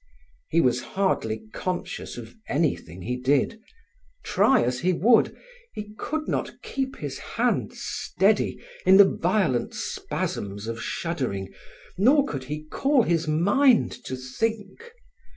He was hardly conscious of anything he did; try as he would, he could not keep his hands steady in the violent spasms of shuddering, nor could he call his mind to think.